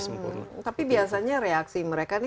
sempurna tapi biasanya reaksi mereka